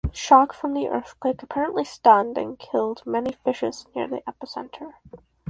Shock from the earthquake apparently stunned and killed many fishes near the epicenter.